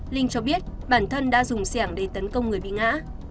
linh cho biết bản thân đã dùng xe hàng để tấn công người bị ngã